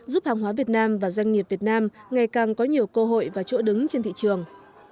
giúp hàng hóa việt nam và doanh nghiệp việt nam ngày càng có nhiều cơ hội và chỗ đứng trên thị trường